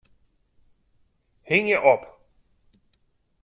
Hingje op.